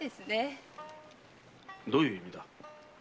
どういう意味だ？